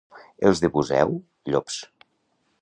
Els de Buseu, llops.